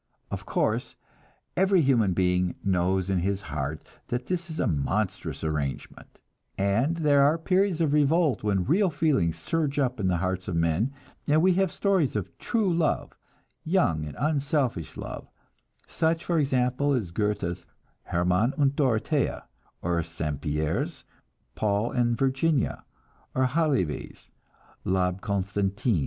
Of course, every human being knows in his heart that this is a monstrous arrangement, and there are periods of revolt when real feeling surges up in the hearts of men, and we have stories of true love, young and unselfish love, such for example as Goethe's "Hermann and Dorothea," or St. Pierre's "Paul and Virginia," or Halévy's "L'Abbe Constantin."